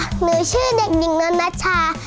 สวัสดีค่ะหนูชื่อเด็กหญิงโนนัชชา